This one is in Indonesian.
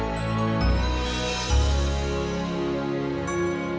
siliwangi sebentar lagi